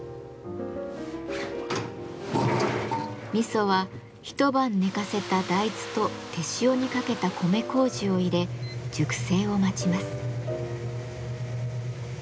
味噌は一晩寝かせた大豆と手塩にかけた米麹を入れ熟成を待ちます。